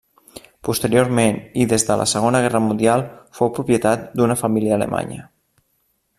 Posteriorment, i des de la Segona Guerra Mundial fou propietat d'una família alemanya.